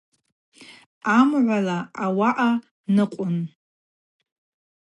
Амгӏвала ауагӏа ныкъвун.